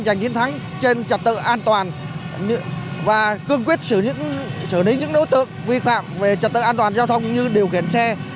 giành chiến thắng trên trật tự an toàn và cương quyết xử lý những đối tượng vi phạm về trật tự an toàn giao thông như điều khiển xe